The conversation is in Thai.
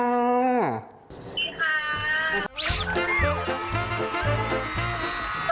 สวัสดีค่ะ